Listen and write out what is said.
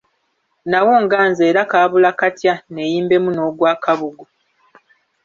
Nnawunga nze era kaabula katya neeyimbemu n'ogwa kabugu!